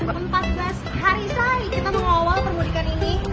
empat belas hari sekali kita mengawal permudikan ini